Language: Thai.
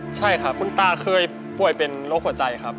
ใช่ครับคุณตาเคยป่วยเป็นโรคหัวใจครับ